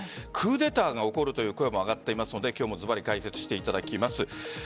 クーデターが起こるという声も上がっていますのでずばり解説していただきます。